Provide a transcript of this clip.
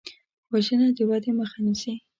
وژنه د ودې مخه نیسي